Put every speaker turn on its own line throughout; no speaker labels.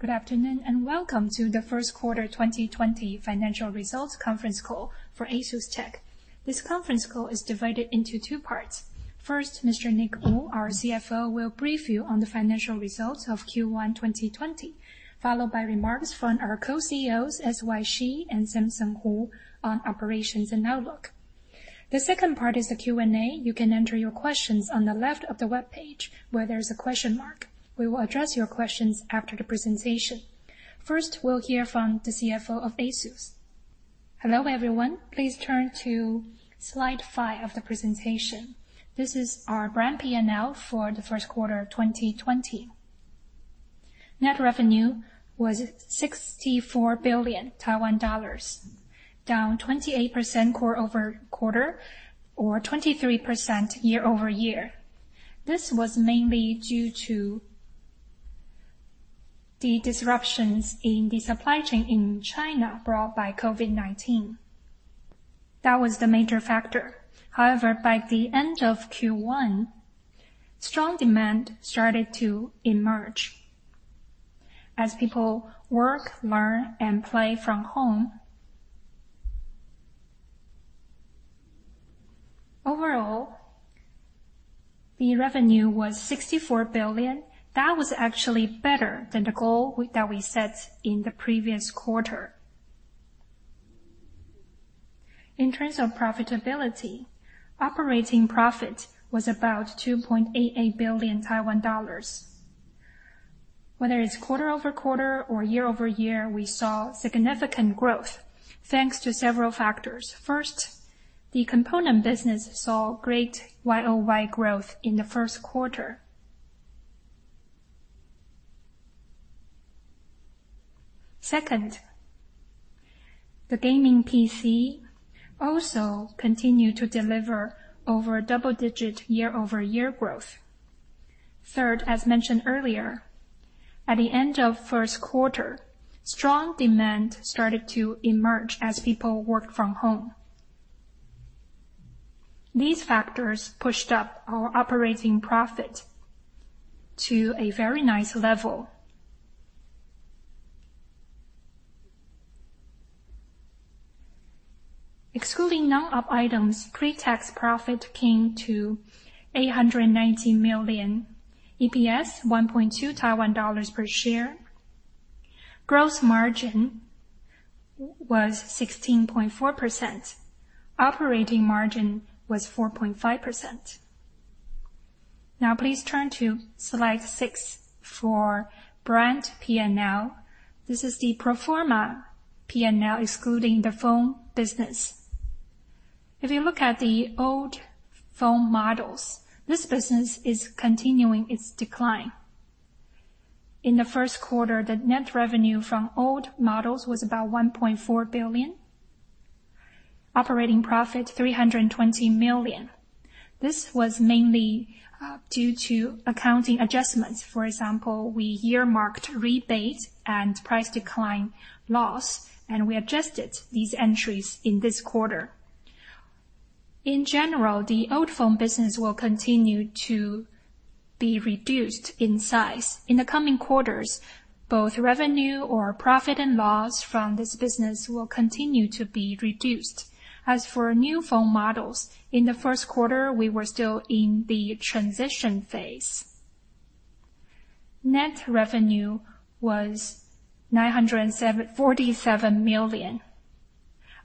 Good afternoon, and welcome to the first quarter 2020 financial results conference call for ASUSTeK. This conference call is divided into two parts. First, Mr. Nick Wu, our CFO, will brief you on the financial results of Q1 2020, followed by remarks from our co-CEOs, S.Y. Hsu and Samson Hu, on operations and outlook. The second part is the Q&A. You can enter your questions on the left of the webpage, where there's a question mark. We will address your questions after the presentation. First, we'll hear from the CFO of ASUS.
Hello, everyone. Please turn to slide five of the presentation. This is our brand P&L for the first quarter of 2020. Net revenue was 64 billion Taiwan dollars, down 28% quarter-over-quarter, or 23% year-over-year. This was mainly due to the disruptions in the supply chain in China brought by COVID-19. By the end of Q1, strong demand started to emerge as people work, learn, and play from home. The revenue was 64 billion. That was actually better than the goal that we set in the previous quarter. In terms of profitability, operating profit was about 2.88 billion Taiwan dollars. Whether it's quarter-over-quarter or year-over-year, we saw significant growth thanks to several factors. First, the component business saw great YoY growth in the first quarter. Second, the gaming PC also continued to deliver over double-digit year-over-year growth. Third, as mentioned earlier, at the end of first quarter, strong demand started to emerge as people worked from home. These factors pushed up our operating profit to a very nice level. Excluding non-op items, pre-tax profit came to 890 million. EPS 1.2 Taiwan dollars per share. Gross margin was 16.4%. Operating margin was 4.5%. Please turn to slide six for brand P&L. This is the pro forma P&L excluding the phone business. You look at the old phone models, this business is continuing its decline. In the first quarter, the net revenue from old models was about 1.4 billion. Operating profit, 320 million. This was mainly due to accounting adjustments. We earmarked rebate and price decline loss, we adjusted these entries in this quarter. The old phone business will continue to be reduced in size. In the coming quarters, both revenue or profit and loss from this business will continue to be reduced. New phone models, in the first quarter, we were still in the transition phase. Net revenue was 947 million.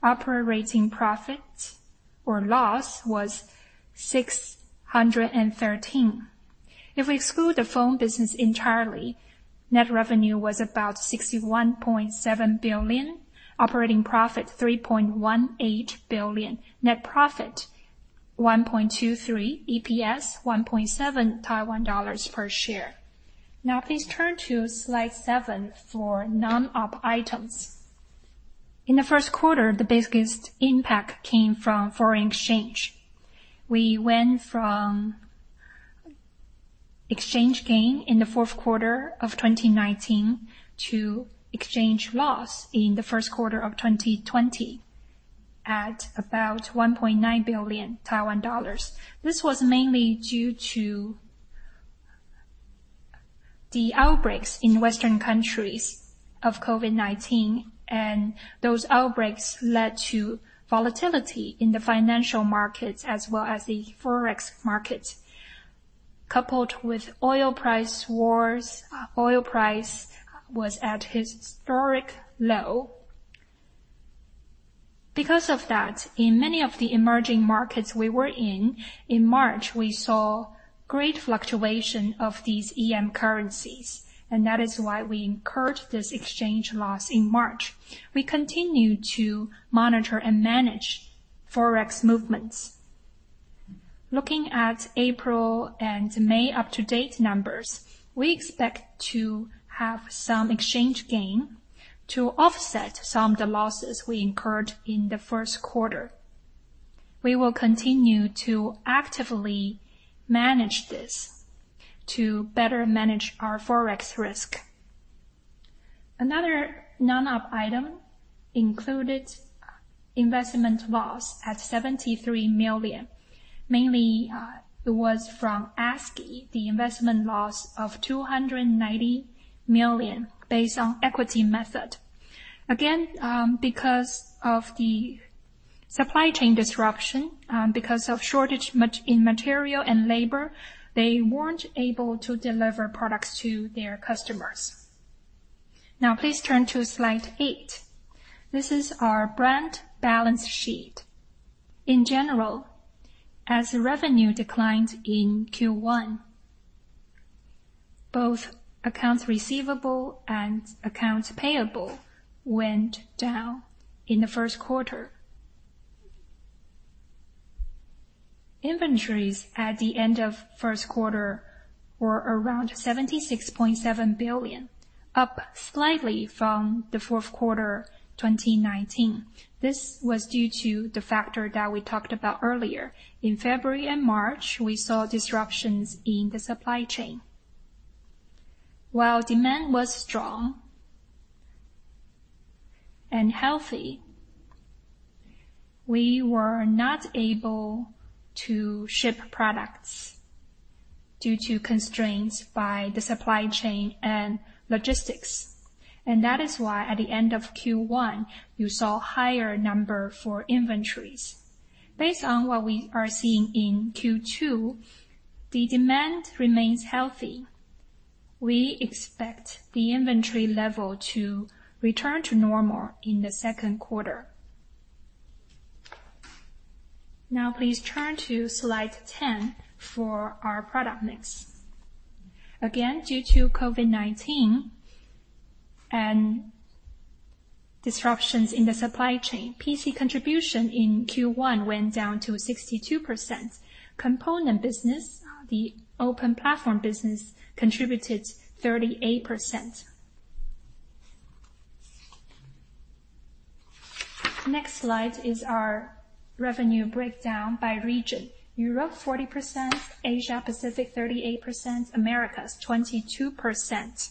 Operating profit or loss was 613. If we exclude the phone business entirely, net revenue was about 61.7 billion, operating profit 3.18 billion, net profit 1.23 billion, EPS 1.7 Taiwan dollars per share. Now please turn to slide seven for non-op items. In the first quarter, the biggest impact came from foreign exchange. We went from exchange gain in the fourth quarter of 2019 to exchange loss in the first quarter of 2020 at about 1.9 billion Taiwan dollars. This was mainly due to the outbreaks in Western countries of COVID-19, and those outbreaks led to volatility in the financial markets as well as the Forex market. Coupled with oil price wars, oil price was at historic low. Because of that, in many of the emerging markets we were in March, we saw great fluctuation of these EM currencies, and that is why we incurred this exchange loss in March. We continue to monitor and manage Forex movements. Looking at April and May up-to-date numbers, we expect to have some exchange gain to offset some of the losses we incurred in the first quarter. We will continue to actively manage this to better manage our Forex risk. Another non-op item included investment loss at 73 million. Mainly, it was from Askey, the investment loss of 290 million based on equity method. Again, because of the supply chain disruption, because of shortage in material and labor, they weren't able to deliver products to their customers. Please turn to slide eight. This is our brand balance sheet. In general, as revenue declined in Q1, both accounts receivable and accounts payable went down in the first quarter. Inventories at the end of first quarter were around 76.7 billion, up slightly from the fourth quarter 2019. This was due to the factor that we talked about earlier. In February and March, we saw disruptions in the supply chain. While demand was strong and healthy, we were not able to ship products due to constraints by the supply chain and logistics. That is why at the end of Q1, you saw higher number for inventories. Based on what we are seeing in Q2, the demand remains healthy. We expect the inventory level to return to normal in the second quarter. Now please turn to slide 10 for our product mix. Again, due to COVID-19 and disruptions in the supply chain, PC contribution in Q1 went down to 62%. Component business, the open platform business, contributed 38%. Next slide is our revenue breakdown by region. Europe 40%, Asia Pacific 38%, Americas 22%.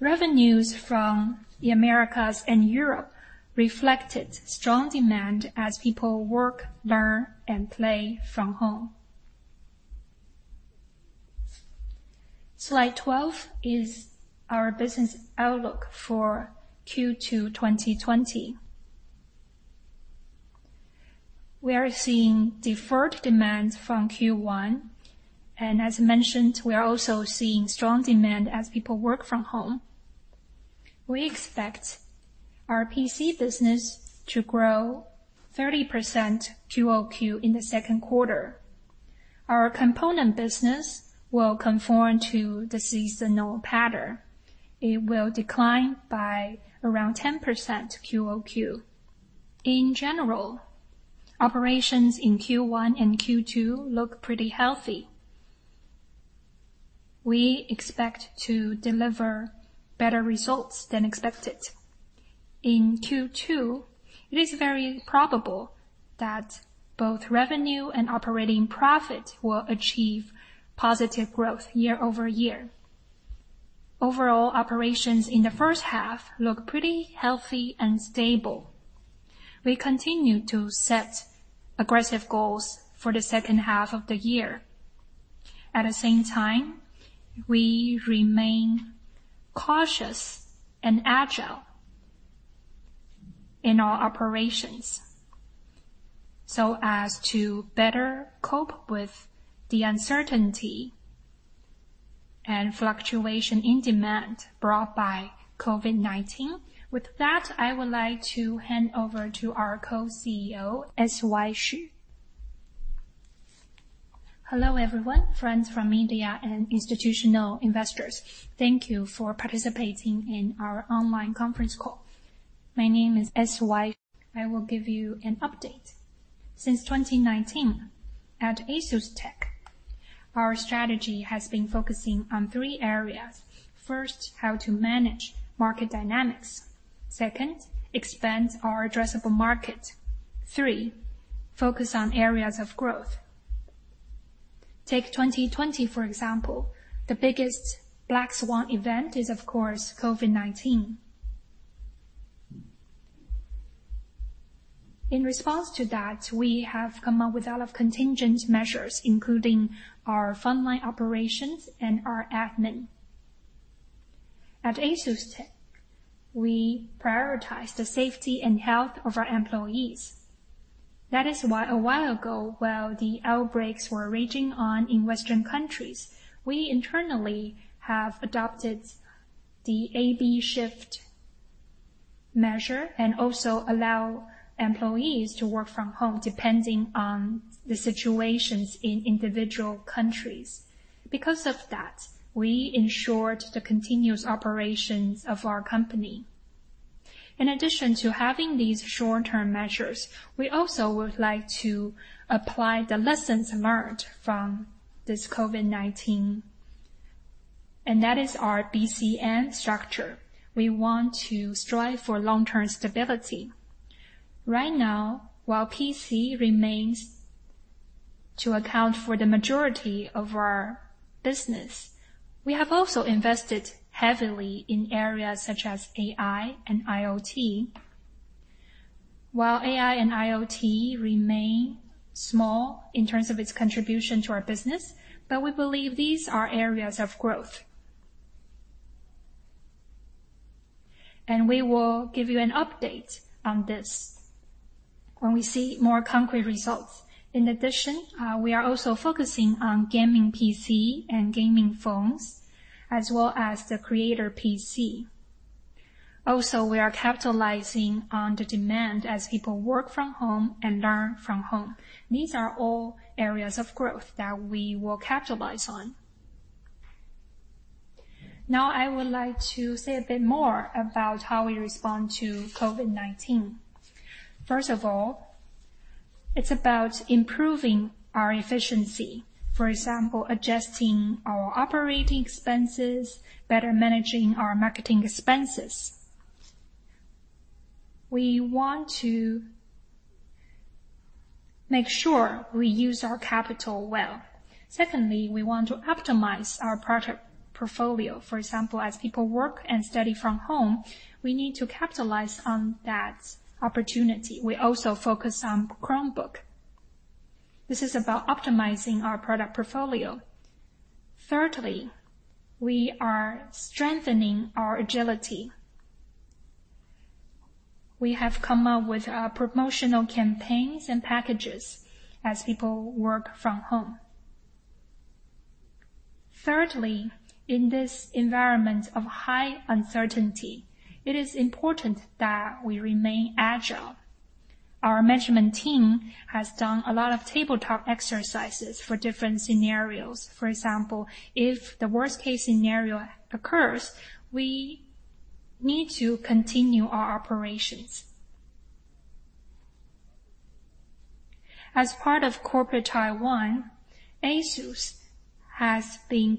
Revenues from the Americas and Europe reflected strong demand as people work, learn, and play from home. Slide 12 is our business outlook for Q2 2020. As mentioned, we are also seeing strong demand as people work from home. We expect our PC business to grow 30% QOQ in the second quarter. Our component business will conform to the seasonal pattern. It will decline by around 10% QOQ. In general, operations in Q1 and Q2 look pretty healthy. We expect to deliver better results than expected. In Q2, it is very probable that both revenue and operating profit will achieve positive growth year-over-year. Overall operations in the first half look pretty healthy and stable. We continue to set aggressive goals for the second half of the year. At the same time, we remain cautious and agile in our operations so as to better cope with the uncertainty and fluctuation in demand brought by COVID-19. With that, I would like to hand over to our Co-CEO, S.Y. Hsu.
Hello, everyone, friends from media and institutional investors. Thank you for participating in our online conference call. My name is S.Y. I will give you an update. Since 2019 at ASUSTeK, our strategy has been focusing on three areas. First, how to manage market dynamics. Second, expand our addressable market. Three, focus on areas of growth. Take 2020, for example. The biggest black swan event is, of course, COVID-19. In response to that, we have come up with a lot of contingent measures, including our frontline operations and our admin. At ASUSTeK, we prioritize the safety and health of our employees.
That is why a while ago, while the outbreaks were raging on in Western countries, we internally have adopted the AB shift measure and also allow employees to work from home depending on the situations in individual countries. We ensured the continuous operations of our company. In addition to having these short-term measures, we also would like to apply the lessons learned from this COVID-19, and that is our BCP structure. We want to strive for long-term stability. Right now, while PC remains to account for the majority of our business. We have also invested heavily in areas such as AI and IoT. AI and IoT remain small in terms of its contribution to our business, we believe these are areas of growth. We will give you an update on this when we see more concrete results.
We are also focusing on gaming PC and gaming phones, as well as the Creator PC. We are capitalizing on the demand as people work from home and learn from home. These are all areas of growth that we will capitalize on. I would like to say a bit more about how we respond to COVID-19. First of all, it's about improving our efficiency. For example, adjusting our operating expenses, better managing our marketing expenses. We want to make sure we use our capital well. Secondly, we want to optimize our product portfolio. For example, as people work and study from home, we need to capitalize on that opportunity. We also focus on Chromebook. This is about optimizing our product portfolio. Thirdly, we are strengthening our agility. We have come up with promotional campaigns and packages as people work from home. Thirdly, in this environment of high uncertainty, it is important that we remain agile. Our management team has done a lot of tabletop exercises for different scenarios. If the worst-case scenario occurs, we need to continue our operations. As part of Corporate Taiwan, ASUS has been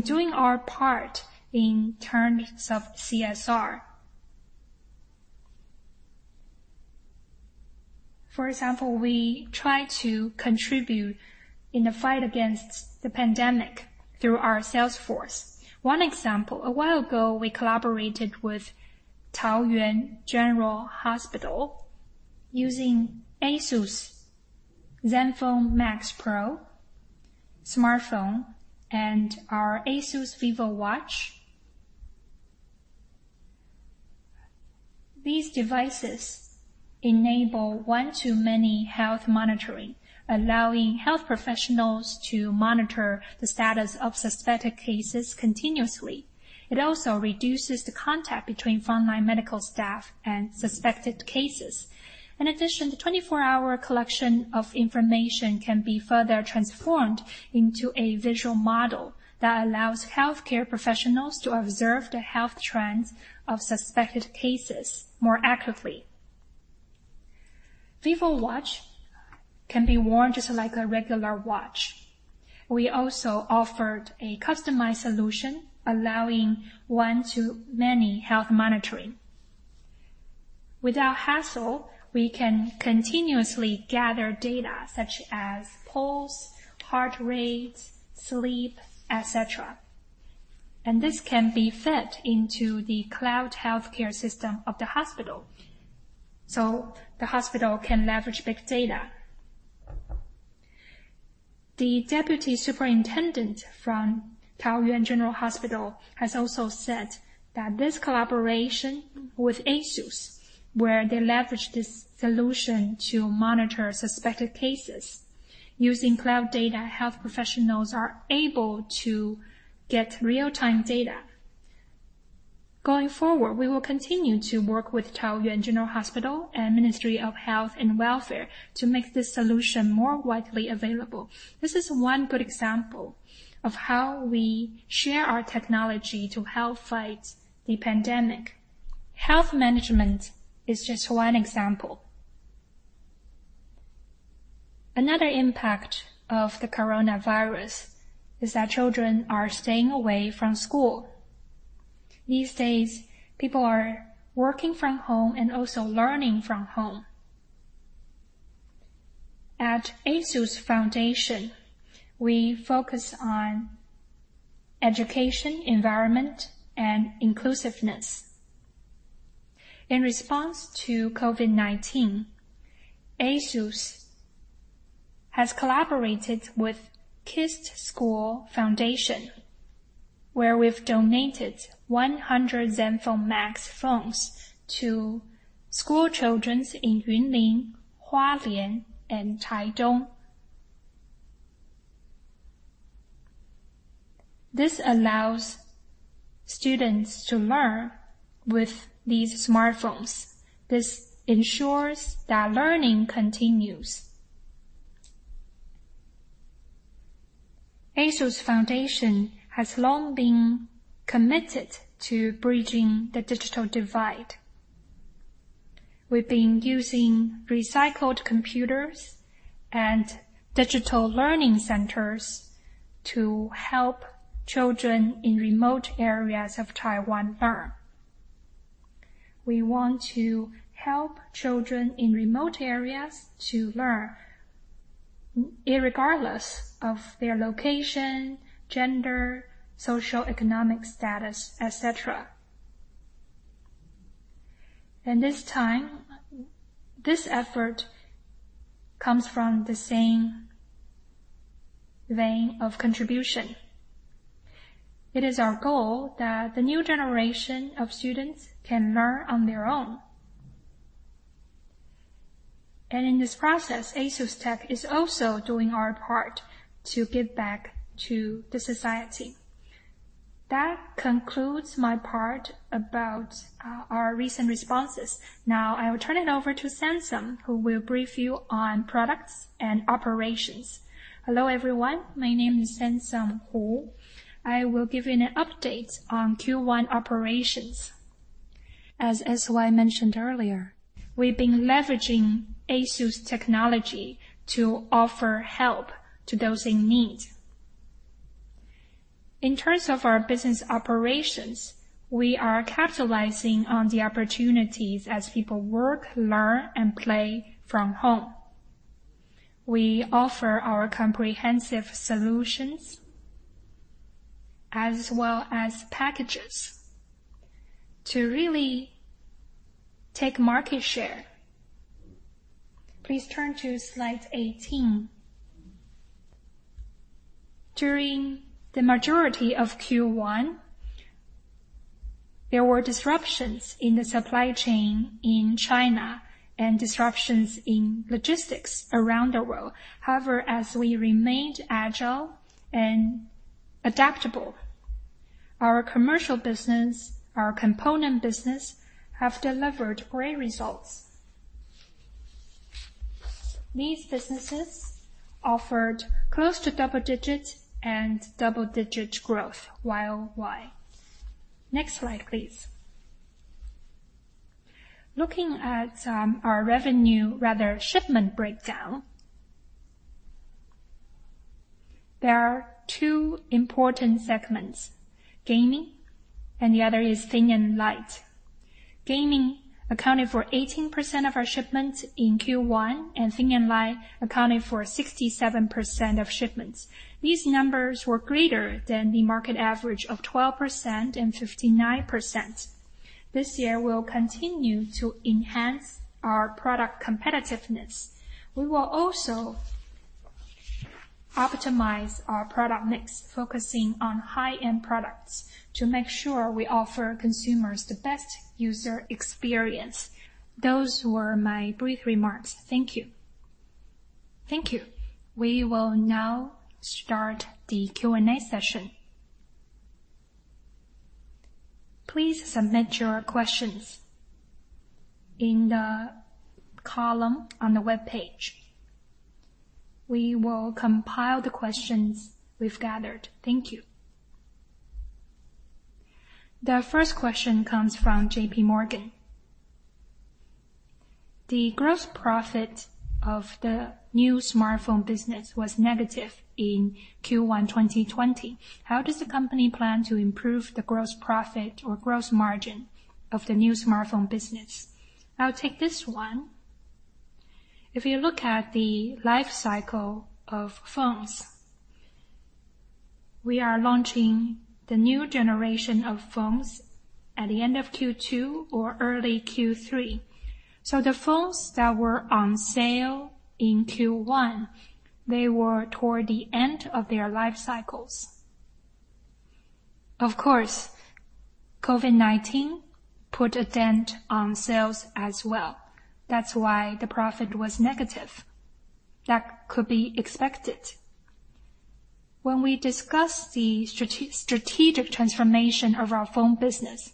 doing our part in terms of CSR. We try to contribute in the fight against the pandemic through our sales force. One example, a while ago, we collaborated with Taoyuan General Hospital using ASUS ZenFone Max Pro smartphone and our ASUS VivoWatch. These devices enable one-to-many health monitoring, allowing health professionals to monitor the status of suspected cases continuously. It also reduces the contact between frontline medical staff and suspected cases. The 24-hour collection of information can be further transformed into a visual model that allows healthcare professionals to observe the health trends of suspected cases more accurately.
VivoWatch can be worn just like a regular watch. We also offered a customized solution allowing one-to-many health monitoring. Without hassle, we can continuously gather data such as pulse, heart rate, sleep, et cetera, and this can be fed into the cloud healthcare system of the hospital, so the hospital can leverage big data. The deputy superintendent from Taoyuan General Hospital has also said that this collaboration with ASUS, where they leverage this solution to monitor suspected cases. Using cloud data, health professionals are able to get real-time data. Going forward, we will continue to work with Taoyuan General Hospital and Ministry of Health and Welfare to make this solution more widely available. This is one good example of how we share our technology to help fight the pandemic. Health management is just one example. Another impact of the coronavirus is that children are staying away from school.
These days, people are working from home and also learning from home. At ASUS Foundation, we focus on education, environment, and inclusiveness. In response to COVID-19, ASUS has collaborated with KIPP School Foundation, where we've donated 100 ZenFone Max phones to school children in Yunlin, Hualien, and Taichung. This allows students to learn with these smartphones. This ensures that learning continues. ASUS Foundation has long been committed to bridging the digital divide. We've been using recycled computers and digital learning centers to help children in remote areas of Taiwan learn. We want to help children in remote areas to learn irregardless of their location, gender, socioeconomic status, et cetera. This time, this effort comes from the same vein of contribution. It is our goal that the new generation of students can learn on their own. In this process, ASUS is also doing our part to give back to the society. That concludes my part about our recent responses. Now I will turn it over to Samson, who will brief you on products and operations.
Hello, everyone. My name is Samson Hu. I will give you an update on Q1 operations. As S.Y. mentioned earlier, we've been leveraging ASUS technology to offer help to those in need. In terms of our business operations, we are capitalizing on the opportunities as people work, learn, and play from home. We offer our comprehensive solutions as well as packages to really take market share. Please turn to slide 18. During the majority of Q1, there were disruptions in the supply chain in China and disruptions in logistics around the world. However, as we remained agile and adaptable, our commercial business, our component business, have delivered great results. These businesses offered close to double digits and double-digit growth YoY. Next slide, please. Looking at our revenue, rather shipment breakdown, there are two important segments, gaming and the other is thin and light. Gaming accounted for 18% of our shipments in Q1. Thin and light accounted for 67% of shipments. These numbers were greater than the market average of 12% and 59%. This year, we'll continue to enhance our product competitiveness. We will also optimize our product mix, focusing on high-end products to make sure we offer consumers the best user experience. Those were my brief remarks. Thank you.
Thank you. We will now start the Q&A session. Please submit your questions in the column on the webpage. We will compile the questions we've gathered. Thank you. The first question comes from JP Morgan. The gross profit of the new smartphone business was negative in Q1 2020.
How does the company plan to improve the gross profit or gross margin of the new smartphone business? I'll take this one. If you look at the life cycle of phones, we are launching the new generation of phones at the end of Q2 or early Q3. The phones that were on sale in Q1, they were toward the end of their life cycles. Of course, COVID-19 put a dent on sales as well. That's why the profit was negative. That could be expected. When we discussed the strategic transformation of our phone business,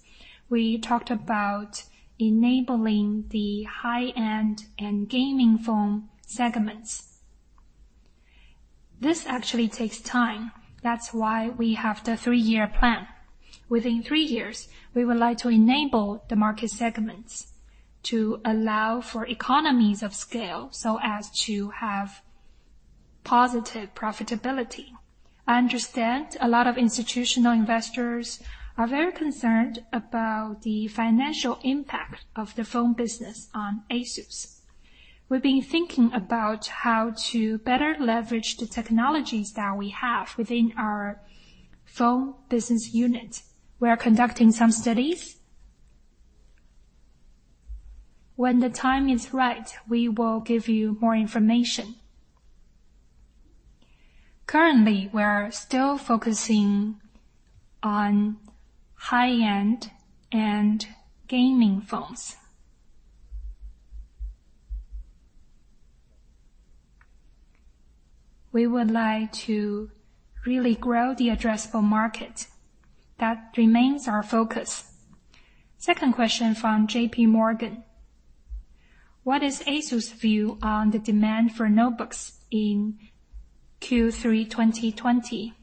we talked about enabling the high-end and gaming phone segments. This actually takes time. That's why we have the three-year plan. Within three years, we would like to enable the market segments to allow for economies of scale so as to have positive profitability. I understand a lot of institutional investors are very concerned about the financial impact of the phone business on ASUS. We've been thinking about how to better leverage the technologies that we have within our phone business unit. We are conducting some studies. When the time is right, we will give you more information. Currently, we're still focusing on high-end and gaming phones. We would like to really grow the addressable market. That remains our focus. Second question from JP Morgan. What is ASUS view on the demand for notebooks in Q3 2020?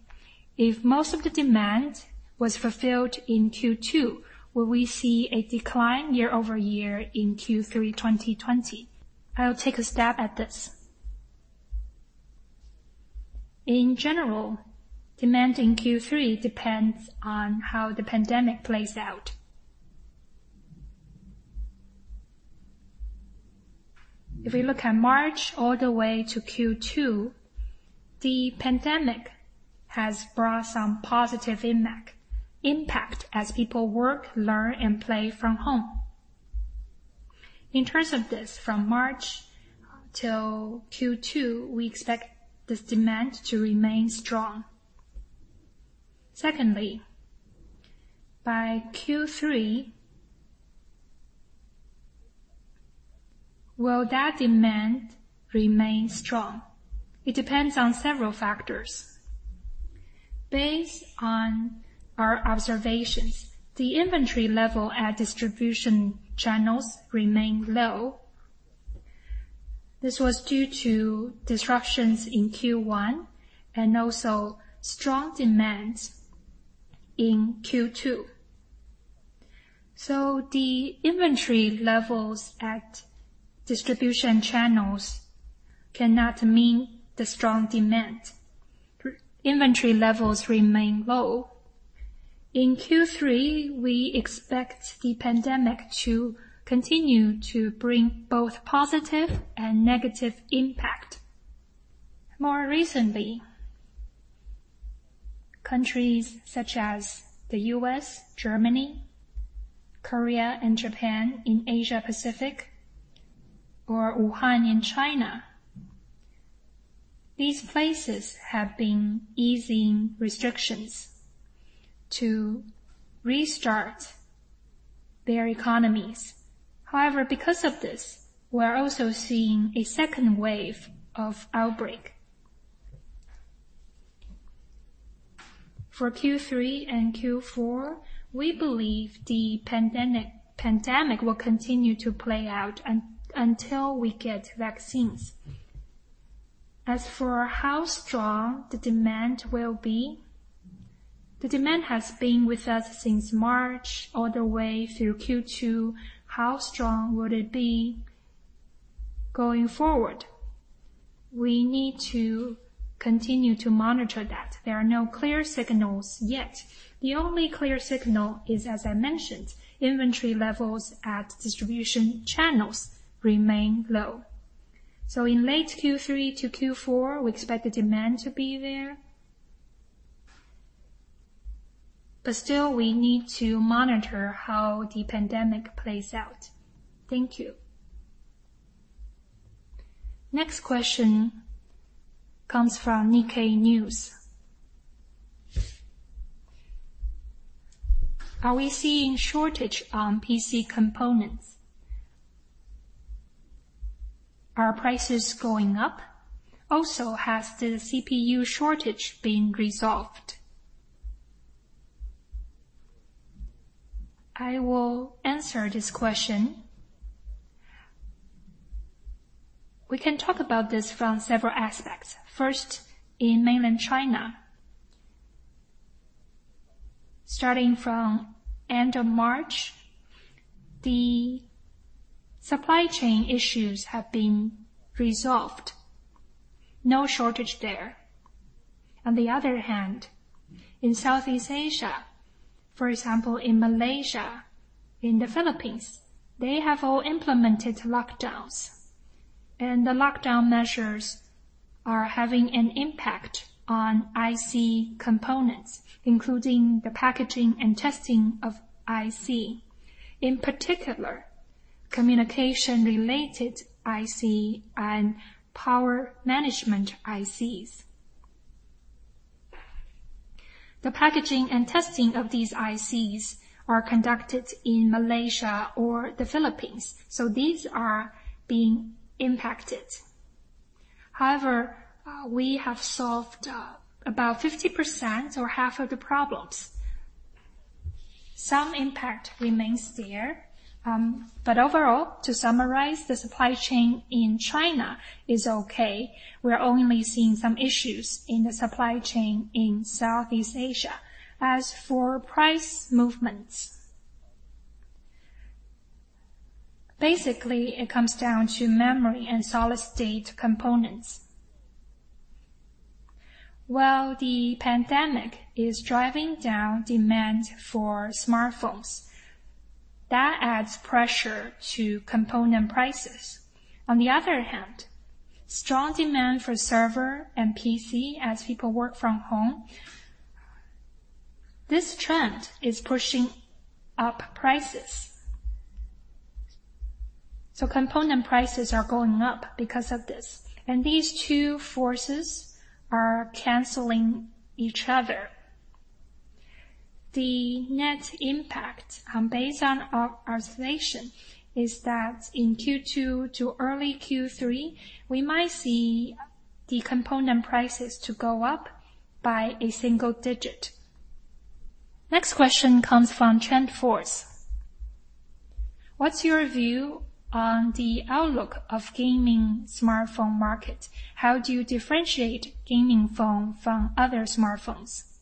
If most of the demand was fulfilled in Q2, will we see a decline year-over-year in Q3 2020? I'll take a stab at this. In general, demand in Q3 depends on how the pandemic plays out. If we look at March all the way to Q2, the pandemic has brought some positive impact as people work, learn, and play from home. In terms of this, from March till Q2, we expect this demand to remain strong. By Q3, will that demand remain strong? It depends on several factors. Based on our observations, the inventory level at distribution channels remain low. This was due to disruptions in Q1 and also strong demands in Q2. The inventory levels at distribution channels cannot meet the strong demand. Inventory levels remain low. In Q3, we expect the pandemic to continue to bring both positive and negative impact. More recently, countries such as the U.S., Germany, Korea, and Japan in Asia Pacific, or Wuhan in China, these places have been easing restrictions to restart their economies. Because of this, we're also seeing a second wave of outbreak. For Q3 and Q4, we believe the pandemic will continue to play out until we get vaccines. As for how strong the demand will be, the demand has been with us since March all the way through Q2. How strong would it be going forward? We need to continue to monitor that. There are no clear signals yet. The only clear signal is, as I mentioned, inventory levels at distribution channels remain low. In late Q3 to Q4, we expect the demand to be there. Still, we need to monitor how the pandemic plays out. Thank you. Next question comes from Nikkei News. Are we seeing shortage on PC components? Are prices going up? Also, has the CPU shortage been resolved? I will answer this question. We can talk about this from several aspects.
First, in mainland China, starting from end of March, the supply chain issues have been resolved. No shortage there. On the other hand, in Southeast Asia, for example, in Malaysia, in the Philippines, they have all implemented lockdowns, and the lockdown measures are having an impact on IC components, including the packaging and testing of IC, in particular, communication-related IC and power management ICs. The packaging and testing of these ICs are conducted in Malaysia or the Philippines. These are being impacted. However, we have solved about 50% or half of the problems. Some impact remains there. Overall, to summarize, the supply chain in China is okay. We're only seeing some issues in the supply chain in Southeast Asia. As for price movements, basically, it comes down to memory and solid-state components. While the pandemic is driving down demand for smartphones, that adds pressure to component prices. On the other hand, strong demand for server and PC as people work from home, this trend is pushing up prices. Component prices are going up because of this, and these two forces are canceling each other. The net impact based on our observation is that in Q2 to early Q3, we might see the component prices to go up by a single digit. Next question comes from TrendForce. What's your view on the outlook of gaming smartphone market? How do you differentiate gaming phone from other smartphones?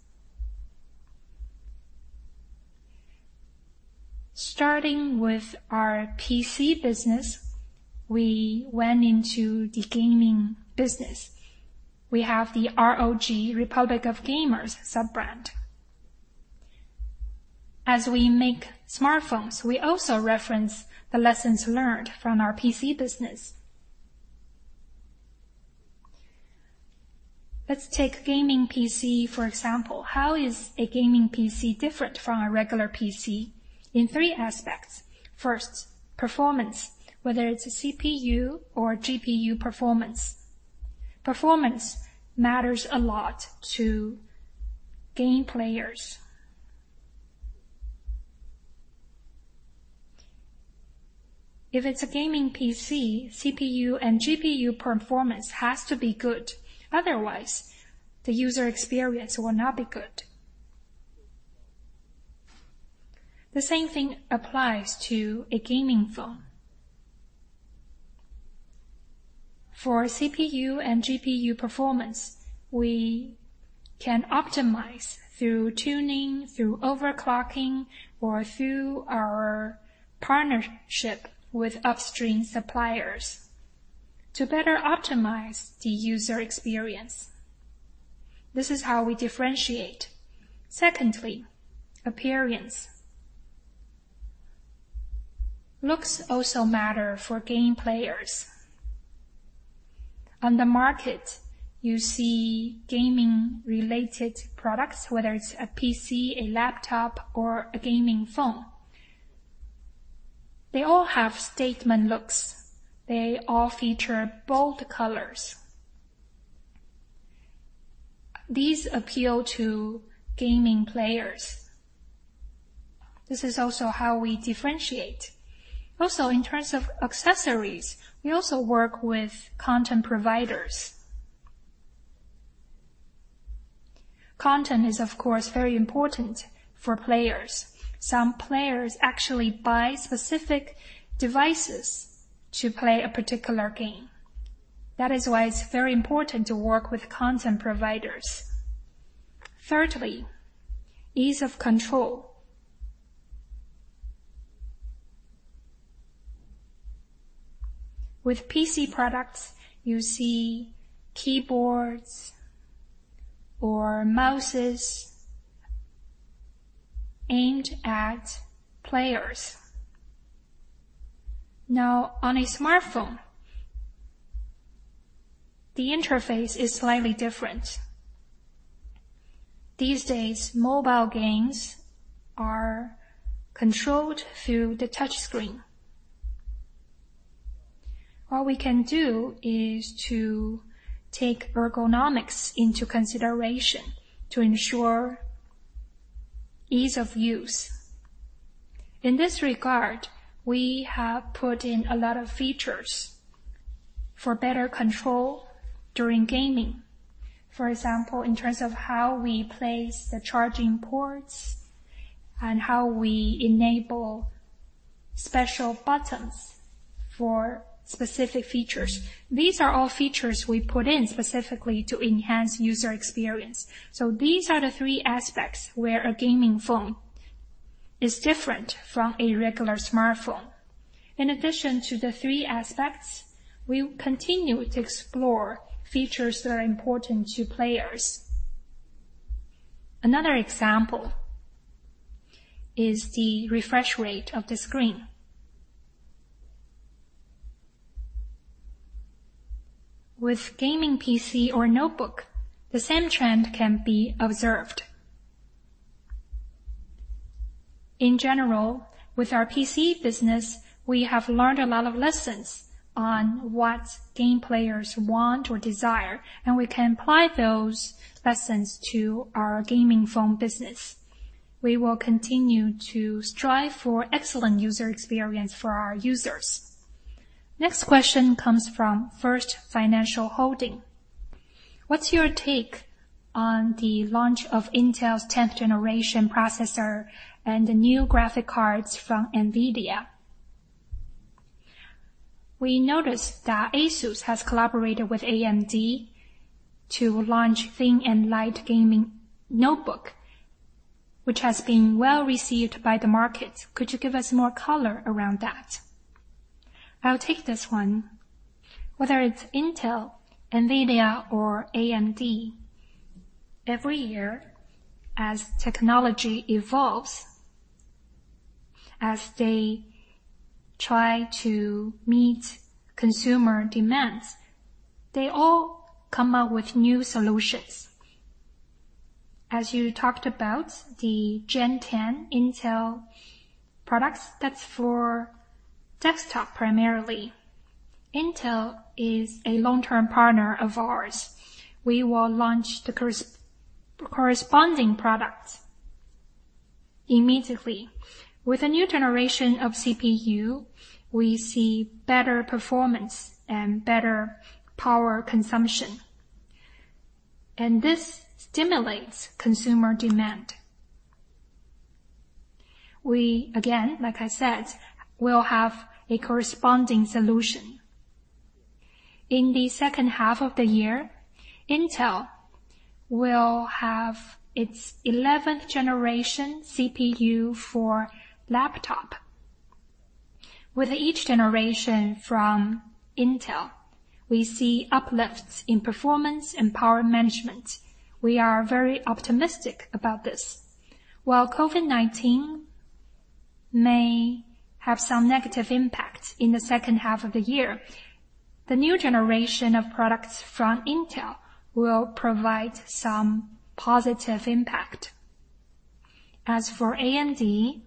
Starting with our PC business, we went into the gaming business. We have the ROG, Republic of Gamers sub-brand. We make smartphones, we also reference the lessons learned from our PC business. Let's take gaming PC, for example. How is a gaming PC different from a regular PC? In three aspects. First, performance, whether it's a CPU or GPU performance. Performance matters a lot to game players. If it's a gaming PC, CPU and GPU performance has to be good, otherwise, the user experience will not be good. The same thing applies to a gaming phone. For CPU and GPU performance, we can optimize through tuning, through overclocking, or through our partnership with upstream suppliers to better optimize the user experience. This is how we differentiate. Secondly, appearance. Looks also matter for game players. On the market, you see gaming related products, whether it's a PC, a laptop, or a gaming phone. They all have statement looks. They all feature bold colors. These appeal to gaming players. This is also how we differentiate. Also, in terms of accessories, we also work with content providers. Content is, of course, very important for players. Some players actually buy specific devices to play a particular game. That is why it's very important to work with content providers. Thirdly, ease of control. With PC products, you see keyboards or mouses aimed at players. Now, on a smartphone, the interface is slightly different. These days, mobile games are controlled through the touch screen. All we can do is to take ergonomics into consideration to ensure ease of use. In this regard, we have put in a lot of features for better control during gaming. For example, in terms of how we place the charging ports and how we enable special buttons for specific features. These are all features we put in specifically to enhance user experience. These are the three aspects where a gaming phone is different from a regular smartphone. In addition to the three aspects, we will continue to explore features that are important to players. Another example is the refresh rate of the screen. With gaming PC or notebook, the same trend can be observed. In general, with our PC business, we have learned a lot of lessons on what game players want or desire, and we can apply those lessons to our gaming phone business. We will continue to strive for excellent user experience for our users. Next question comes from First Financial Holding. What's your take on the launch of Intel's 10th generation processor and the new graphic cards from NVIDIA? We noticed that ASUS has collaborated with AMD to launch thin and light gaming notebook, which has been well-received by the market. Could you give us more color around that? I'll take this one. Whether it's Intel, NVIDIA, or AMD, every year as technology evolves, as they try to meet consumer demands, they all come up with new solutions. As you talked about the 10th-gen Intel products, that's for desktop primarily. Intel is a long-term partner of ours. We will launch the corresponding products immediately. With a new generation of CPU, we see better performance and better power consumption. This stimulates consumer demand. We, again, like I said, will have a corresponding solution. In the second half of the year, Intel will have its 11th-generation CPU for laptop. With each generation from Intel, we see uplifts in performance and power management. We are very optimistic about this. While COVID-19 may have some negative impacts in the second half of the year, the new generation of products from Intel will provide some positive impact. As for AMD,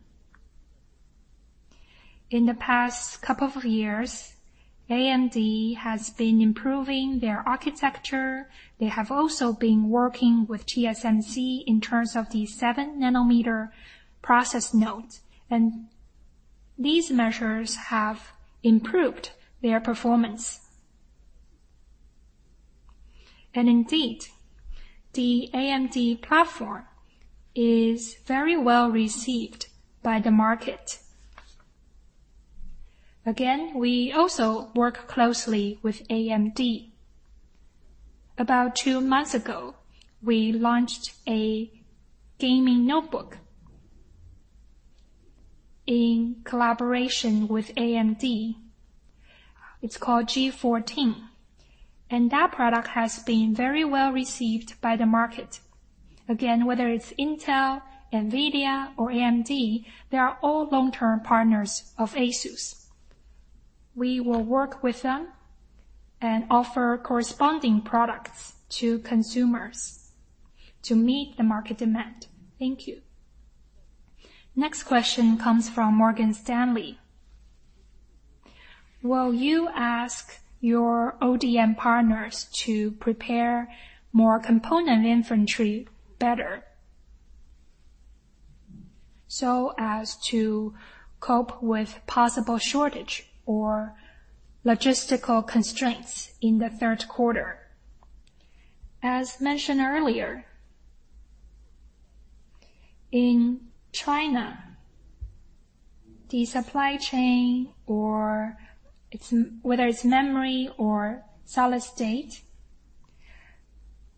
in the past couple of years, AMD has been improving their architecture. They have also been working with TSMC in terms of the seven-nanometer process node, and these measures have improved their performance. Indeed, the AMD platform is very well-received by the market. Again, we also work closely with AMD. About two months ago, we launched a gaming notebook in collaboration with AMD. It's called G14, and that product has been very well-received by the market. Again, whether it's Intel, NVIDIA, or AMD, they are all long-term partners of ASUS. We will work with them and offer corresponding products to consumers to meet the market demand. Thank you. Next question comes from Morgan Stanley. Will you ask your ODM partners to prepare more component inventory better so as to cope with possible shortage or logistical constraints in the third quarter? As mentioned earlier, in China, the supply chain, whether it's memory or solid state,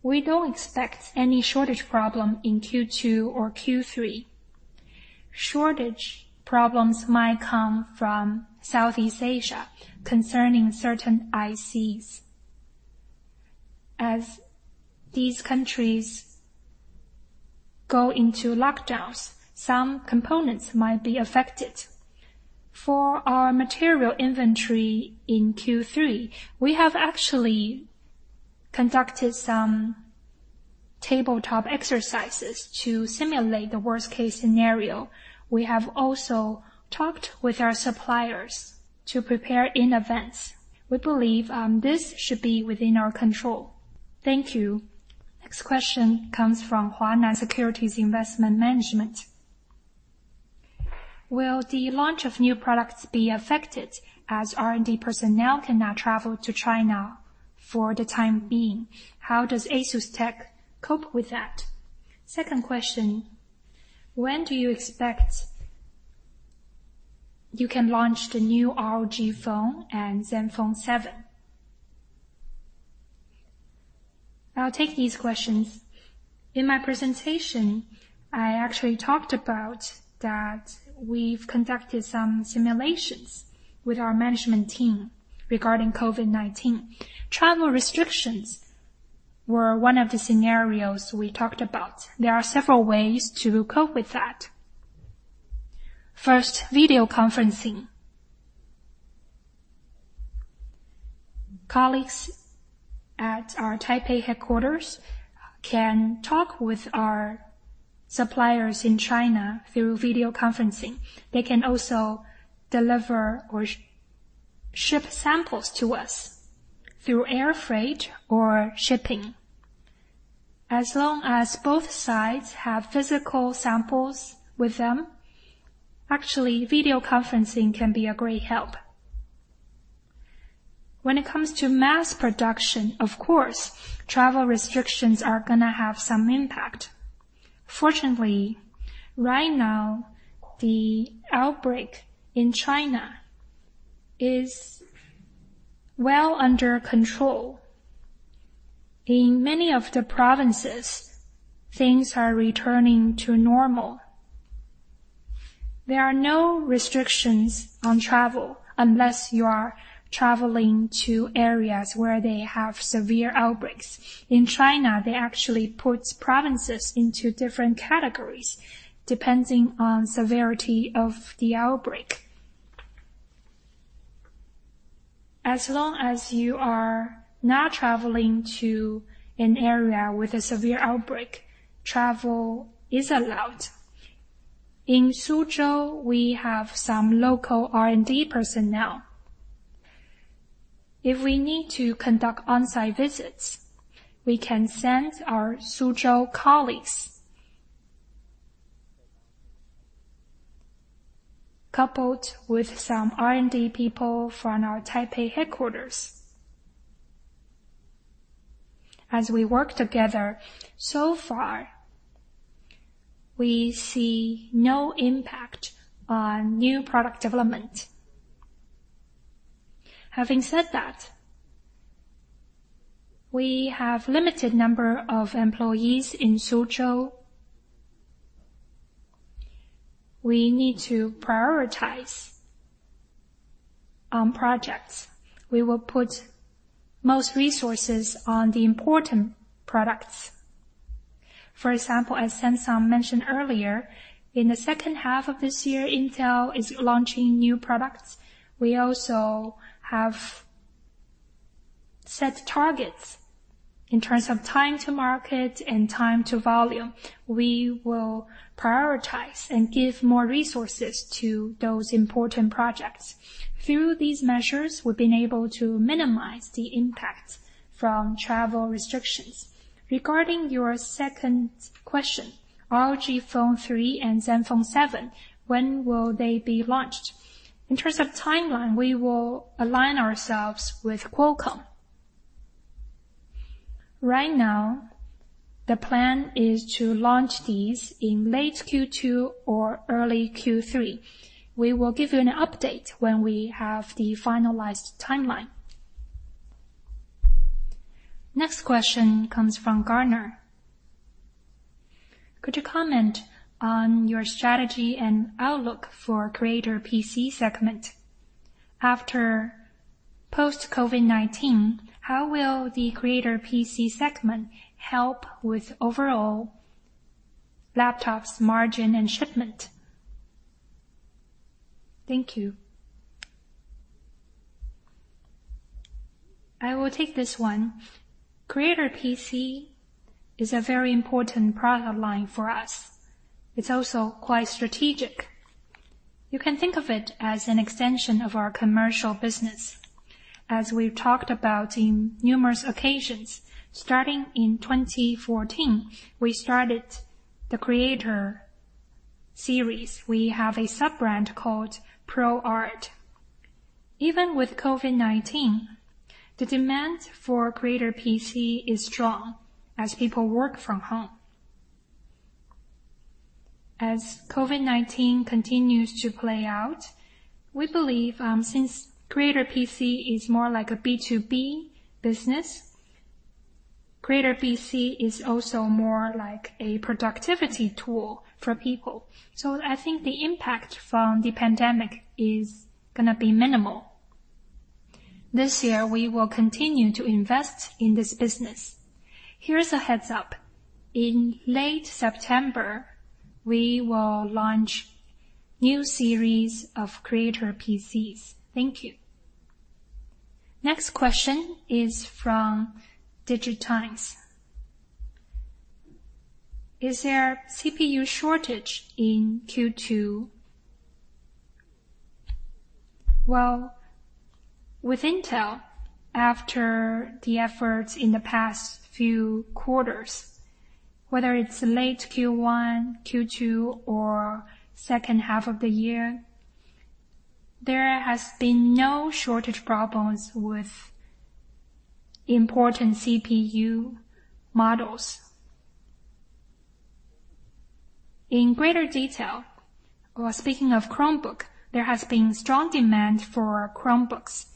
we don't expect any shortage problem in Q2 or Q3. Shortage problems might come from Southeast Asia concerning certain ICs. As these countries go into lockdowns, some components might be affected. For our material inventory in Q3, we have actually conducted some tabletop exercises to simulate the worst-case scenario. We have also talked with our suppliers to prepare in advance. We believe this should be within our control. Thank you. Next question comes from Hua Nan Securities Investment Management. Will the launch of new products be affected as R&D personnel cannot travel to China for the time being? How does ASUSTeK cope with that? Second question, when do you expect you can launch the new ROG Phone and ZenFone 7? I'll take these questions.
In my presentation, I actually talked about that we've conducted some simulations with our management team regarding COVID-19. Travel restrictions were one of the scenarios we talked about. There are several ways to cope with that. First, video conferencing. Colleagues at our Taipei headquarters can talk with our suppliers in China through video conferencing. They can also deliver or ship samples to us through air freight or shipping. As long as both sides have physical samples with them, actually, video conferencing can be a great help. When it comes to mass production, of course, travel restrictions are going to have some impact. Fortunately, right now, the outbreak in China is well under control. In many of the provinces, things are returning to normal. There are no restrictions on travel unless you are traveling to areas where they have severe outbreaks. In China, they actually put provinces into different categories depending on severity of the outbreak. As long as you are not traveling to an area with a severe outbreak, travel is allowed. In Suzhou, we have some local R&D personnel. If we need to conduct on-site visits, we can send our Suzhou colleagues coupled with some R&D people from our Taipei headquarters. As we work together so far, we see no impact on new product development. Having said that, we have limited number of employees in Suzhou. We need to prioritize on projects. We will put most resources on the important products. For example, as Samson mentioned earlier, in the second half of this year, Intel is launching new products. We also have set targets in terms of time to market and time to volume. We will prioritize and give more resources to those important projects. Through these measures, we've been able to minimize the impact from travel restrictions. Regarding your second question, ROG Phone 3 and ZenFone 7, when will they be launched? In terms of timeline, we will align ourselves with Qualcomm. Right now, the plan is to launch these in late Q2 or early Q3. We will give you an update when we have the finalized timeline. Next question comes from Gartner. Could you comment on your strategy and outlook for Creator PC segment? After post-COVID-19, how will the Creator PC segment help with overall laptops margin and shipment? Thank you. I will take this one. Creator PC is a very important product line for us. It's also quite strategic. You can think of it as an extension of our commercial business. As we've talked about in numerous occasions, starting in 2014, we started the Creator series. We have a sub-brand called ProArt.
Even with COVID-19, the demand for Creator PC is strong as people work from home. As COVID-19 continues to play out, we believe, since Creator PC is more like a B2B business, Creator PC is also more like a productivity tool for people. I think the impact from the pandemic is going to be minimal. This year, we will continue to invest in this business. Here's a heads up. In late September, we will launch new series of Creator PCs. Thank you. Next question is from DigiTimes. Is there CPU shortage in Q2? Well, with Intel, after the efforts in the past few quarters, whether it's late Q1, Q2, or second half of the year, there has been no shortage problems with important CPU models. In greater detail, or speaking of Chromebook, there has been strong demand for Chromebooks.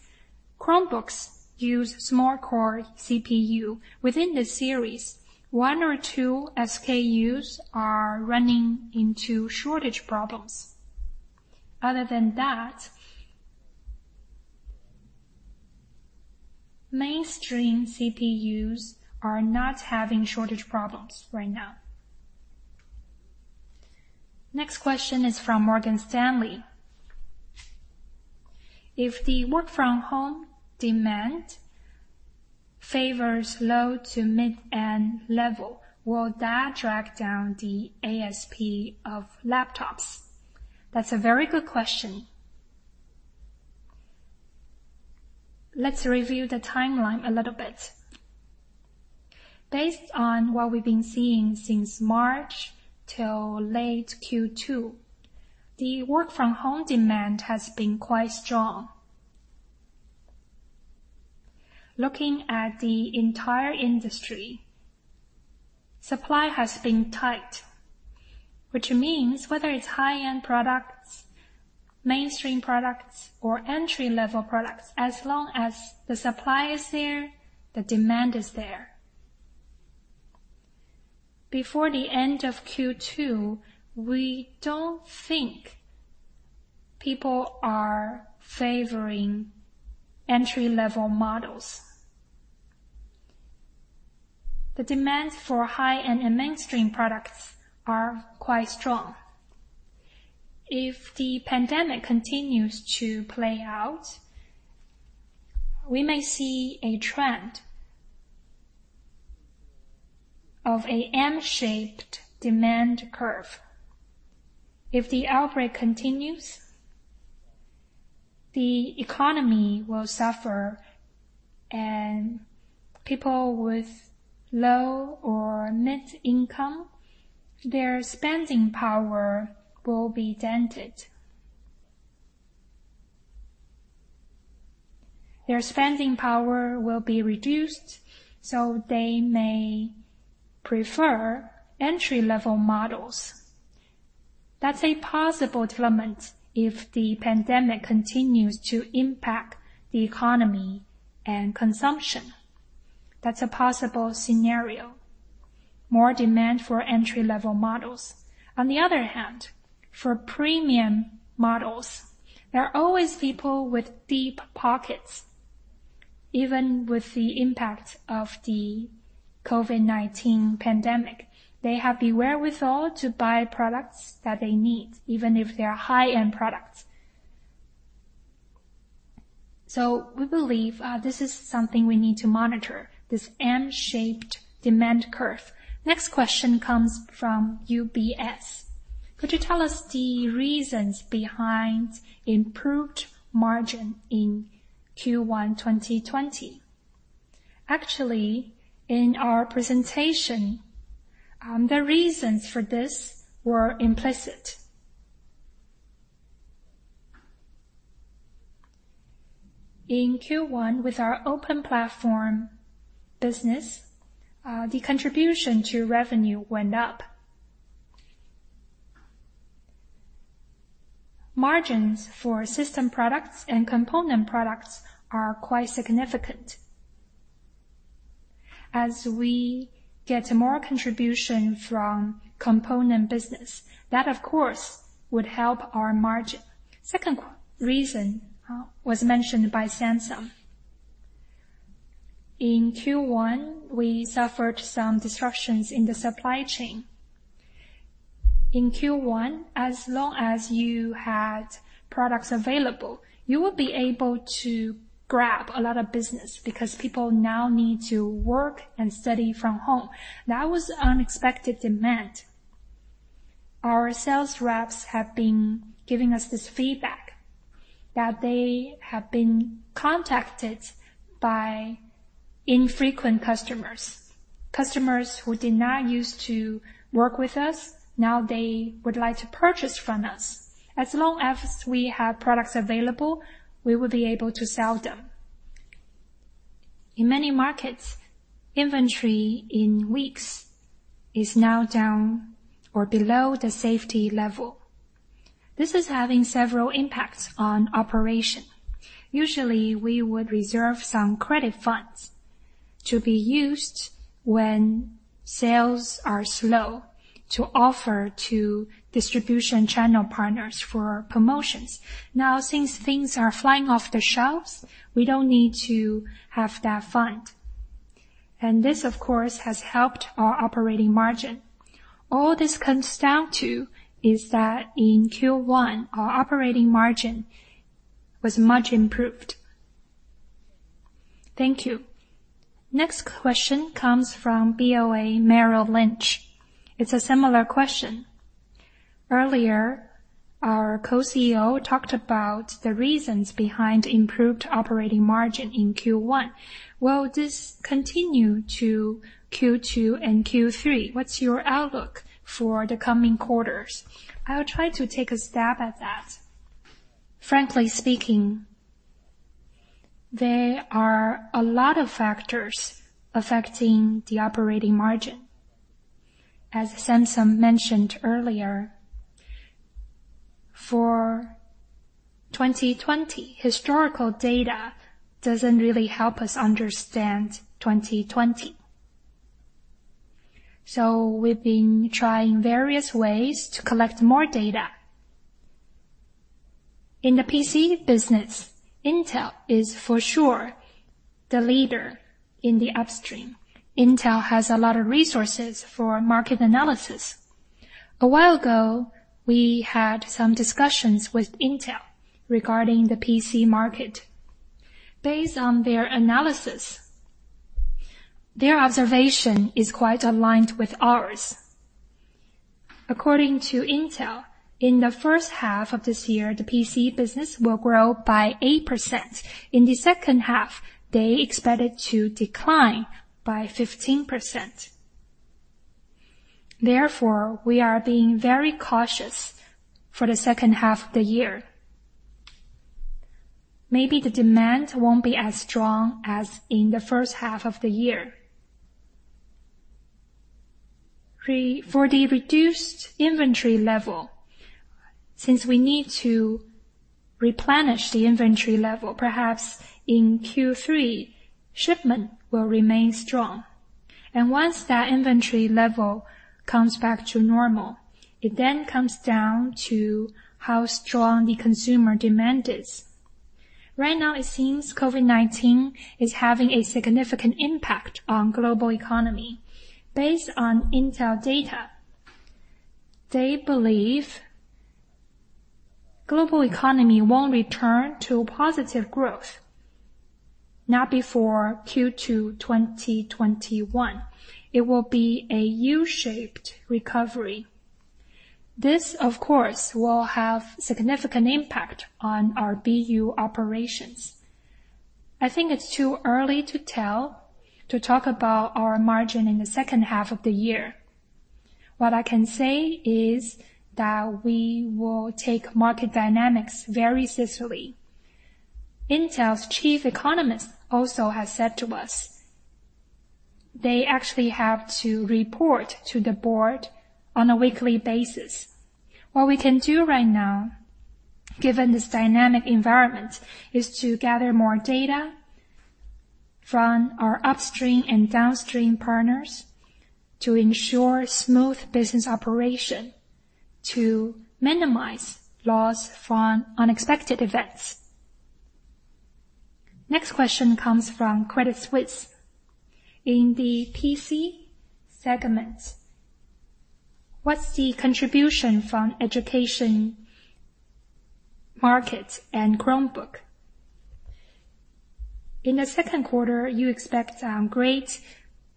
Chromebooks use small core CPU. Within the series, one or two SKUs are running into shortage problems. Other than that, mainstream CPUs are not having shortage problems right now. Next question is from Morgan Stanley. If the work from home demand favors low to mid-end level, will that drag down the ASP of laptops? That's a very good question. Let's review the timeline a little bit. Based on what we've been seeing since March till late Q2, the work from home demand has been quite strong. Looking at the entire industry, supply has been tight, which means whether it's high-end products, mainstream products, or entry-level products, as long as the supply is there, the demand is there. Before the end of Q2, we don't think people are favoring entry-level models. The demand for high-end and mainstream products are quite strong. If the pandemic continues to play out, we may see a trend of a M-shaped demand curve. If the outbreak continues, the economy will suffer and people with low or mid income, their spending power will be dented. Their spending power will be reduced, they may prefer entry-level models. That's a possible development if the pandemic continues to impact the economy and consumption. That's a possible scenario. More demand for entry-level models. On the other hand, for premium models, there are always people with deep pockets. Even with the impact of the COVID-19 pandemic, they have the wherewithal to buy products that they need, even if they are high-end products. We believe this is something we need to monitor, this M-shaped demand curve. Next question comes from UBS. Could you tell us the reasons behind improved margin in Q1 2020? Actually, in our presentation, the reasons for this were implicit. In Q1, with our open platform business, the contribution to revenue went up. Margins for system products and component products are quite significant. As we get more contribution from component business, that, of course, would help our margin. Second reason was mentioned by Samson. In Q1, we suffered some disruptions in the supply chain. In Q1, as long as you had products available, you would be able to grab a lot of business because people now need to work and study from home. That was unexpected demand. Our sales reps have been giving us this feedback that they have been contacted by infrequent customers. Customers who did not use to work with us, now they would like to purchase from us. As long as we have products available, we will be able to sell them. In many markets, inventory in weeks is now down or below the safety level. This is having several impacts on operation. Usually, we would reserve some credit funds to be used when sales are slow to offer to distribution channel partners for promotions. Now, since things are flying off the shelves, we don't need to have that fund. This, of course, has helped our operating margin. All this comes down to is that in Q1, our operating margin was much improved. Thank you. Next question comes from BofA Merrill Lynch. It's a similar question. Earlier, our Co-CEO talked about the reasons behind improved operating margin in Q1. Will this continue to Q2 and Q3? What's your outlook for the coming quarters? I'll try to take a stab at that. Frankly speaking, there are a lot of factors affecting the operating margin.
As Samson mentioned earlier, for 2020, historical data doesn't really help us understand 2020. We've been trying various ways to collect more data. In the PC business, Intel is for sure the leader in the upstream. Intel has a lot of resources for market analysis. A while ago, we had some discussions with Intel regarding the PC market. Based on their analysis, their observation is quite aligned with ours. According to Intel, in the first half of this year, the PC business will grow by 8%. In the second half, they expect it to decline by 15%. Therefore, we are being very cautious for the second half of the year. Maybe the demand won't be as strong as in the first half of the year. For the reduced inventory level, since we need to replenish the inventory level, perhaps in Q3, shipment will remain strong. Once that inventory level comes back to normal, it comes down to how strong the consumer demand is. Right now, it seems COVID-19 is having a significant impact on global economy. Based on Intel data, they believe global economy won't return to positive growth, not before Q2 2021. It will be a U-shaped recovery. This, of course, will have significant impact on our BU operations. I think it's too early to tell to talk about our margin in the second half of the year. What I can say is that we will take market dynamics very seriously. Intel's chief economist also has said to us they actually have to report to the board on a weekly basis. What we can do right now, given this dynamic environment, is to gather more data from our upstream and downstream partners to ensure smooth business operation, to minimize loss from unexpected events.
Next question comes from Credit Suisse. In the PC segment, what's the contribution from education market and Chromebook? In the second quarter, you expect great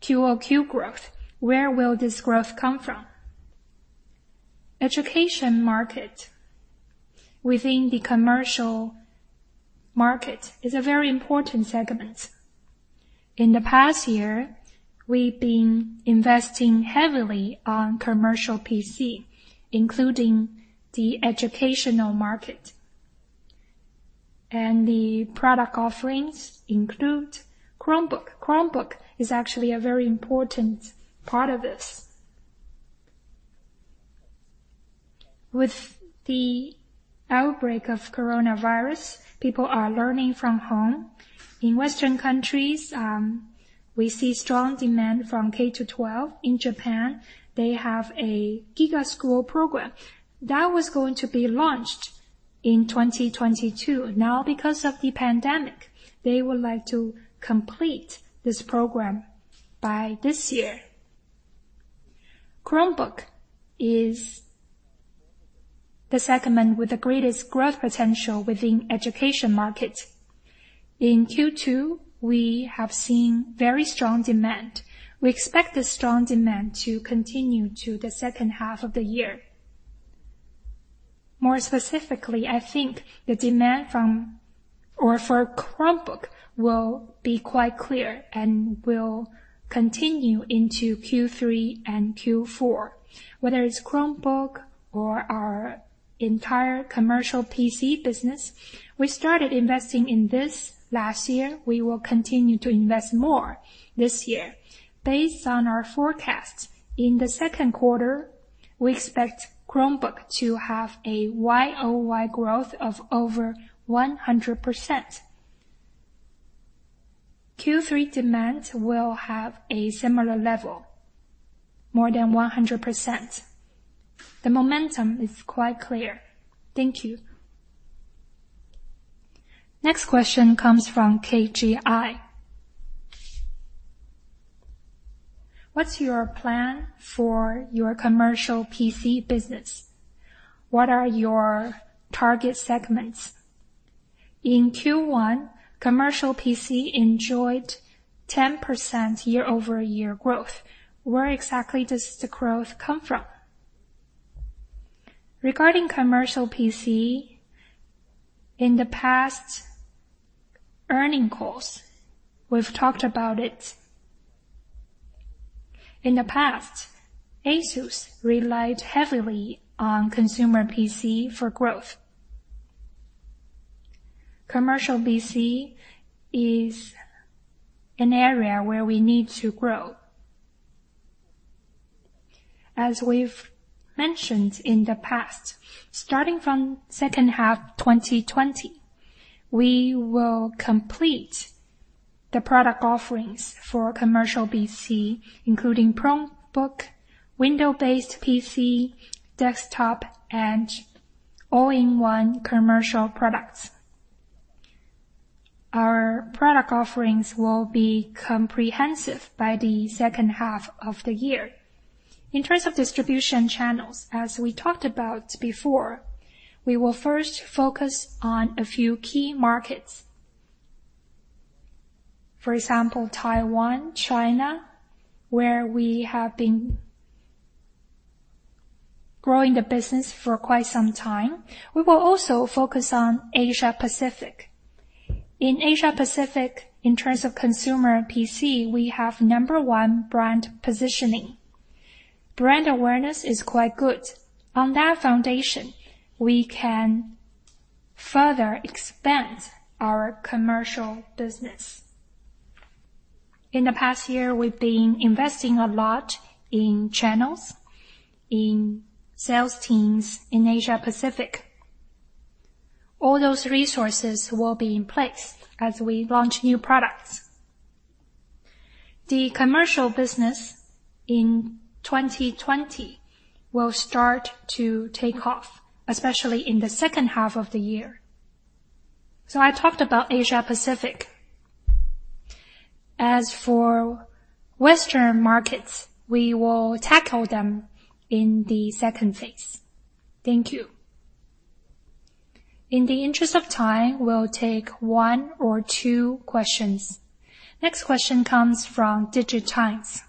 QOQ growth. Where will this growth come from? Education market within the commercial market is a very important segment. In the past year, we've been investing heavily on commercial PC, including the educational market. The product offerings include Chromebook. Chromebook is actually a very important part of this. With the outbreak of coronavirus, people are learning from home. In Western countries, we see strong demand from K to 12. In Japan, they have a GIGA School Program. That was going to be launched in 2022. Now, because of the pandemic, they would like to complete this program by this year. Chromebook is the segment with the greatest growth potential within education market. In Q2, we have seen very strong demand. We expect this strong demand to continue to the second half of the year. More specifically, I think the demand for Chromebook will be quite clear and will continue into Q3 and Q4. Whether it's Chromebook or our entire commercial PC business, we started investing in this last year. We will continue to invest more this year. Based on our forecast, in the second quarter, we expect Chromebook to have a YoY growth of over 100%. Q3 demand will have a similar level, more than 100%. The momentum is quite clear. Thank you. Next question comes from KGI. What's your plan for your commercial PC business? What are your target segments? In Q1, commercial PC enjoyed 10% year-over-year growth. Where exactly does the growth come from? Regarding commercial PC, in the past earning calls, we've talked about it. In the past, ASUS relied heavily on consumer PC for growth. Commercial PC is an area where we need to grow. As we've mentioned in the past, starting from second half 2020, we will complete the product offerings for commercial PC, including Chromebook, Windows-based PC, desktop, and all-in-one commercial products. Our product offerings will be comprehensive by the second half of the year. In terms of distribution channels, as we talked about before, we will first focus on a few key markets. For example, Taiwan, China, where we have been growing the business for quite some time. We will also focus on Asia-Pacific. In Asia-Pacific, in terms of consumer PC, we have number one brand positioning. Brand awareness is quite good. On that foundation, we can further expand our commercial business. In the past year, we've been investing a lot in channels, in sales teams in Asia-Pacific. All those resources will be in place as we launch new products. The commercial business in 2020 will start to take off, especially in the second half of the year. I talked about Asia-Pacific. As for Western markets, we will tackle them in the second phase. Thank you. In the interest of time, we'll take one or two questions. Next question comes from DigiTimes.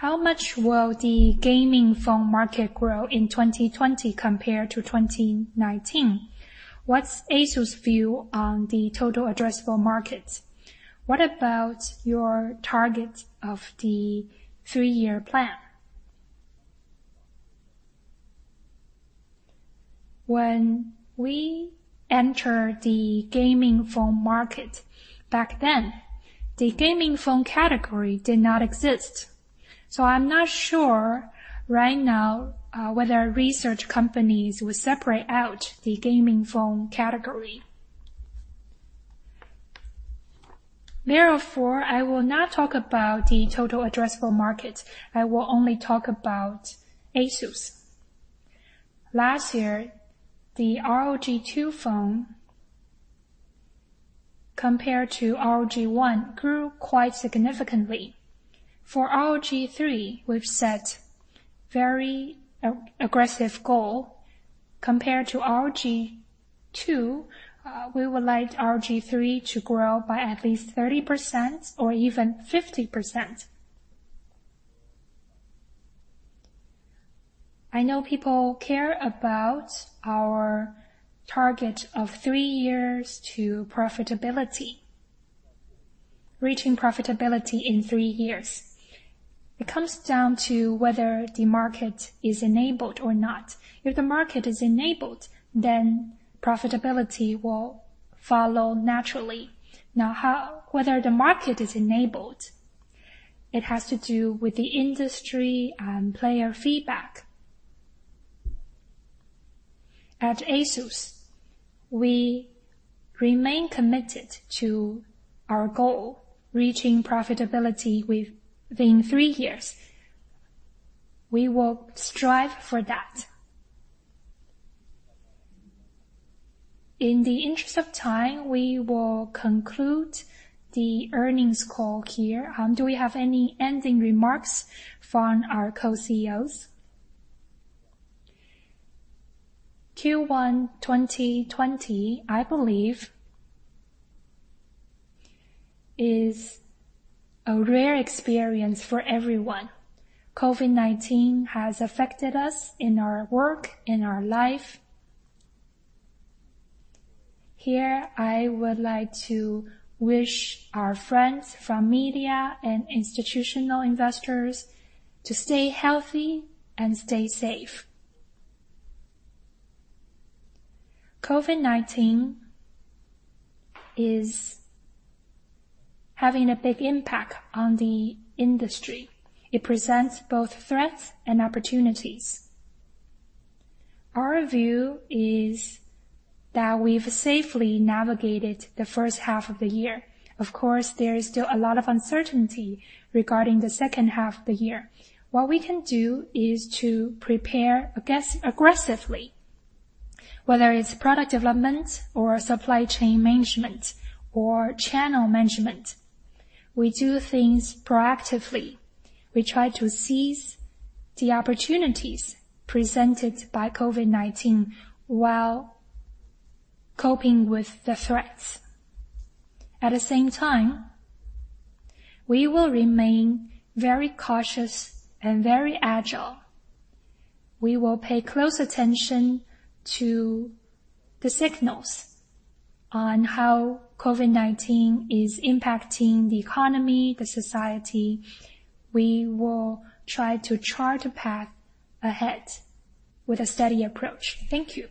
How much will the gaming phone market grow in 2020 compared to 2019? What's ASUS view on the total addressable market? What about your target of the three-year plan? When we entered the gaming phone market back then, the gaming phone category did not exist. I'm not sure right now whether research companies will separate out the gaming phone category. Therefore, I will not talk about the total addressable market. I will only talk about ASUS. Last year, the ROG Phone II, compared to ROG Phone, grew quite significantly. For ROG Phone 3, we've set very aggressive goal. Compared to ROG II, we would like ROG Phone 3 to grow by at least 30% or even 50%. I know people care about our target of three years to profitability, reaching profitability in three years. It comes down to whether the market is enabled or not. If the market is enabled, then profitability will follow naturally. Whether the market is enabled, it has to do with the industry and player feedback. At ASUS, we remain committed to our goal, reaching profitability within three years. We will strive for that. In the interest of time, we will conclude the earnings call here. Do we have any ending remarks from our Co-CEOs? Q1 2020, I believe is a rare experience for everyone. COVID-19 has affected us in our work, in our life. I would like to wish our friends from media and institutional investors to stay healthy and stay safe.
COVID-19 is having a big impact on the industry. It presents both threats and opportunities. Our view is that we've safely navigated the first half of the year. Of course, there is still a lot of uncertainty regarding the second half of the year. What we can do is to prepare aggressively, whether it's product development or supply chain management or channel management. We do things proactively. We try to seize the opportunities presented by COVID-19 while coping with the threats. At the same time, we will remain very cautious and very agile. We will pay close attention to the signals on how COVID-19 is impacting the economy, the society. We will try to chart a path ahead with a steady approach. Thank you.